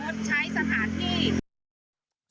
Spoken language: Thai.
ใช้สถานที่